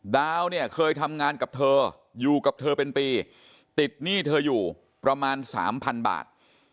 ดาวเนี่ยเคยทำงานกับเธออยู่กับเธอเป็นปีติดหนี้เธออยู่ประมาณสามพันบาท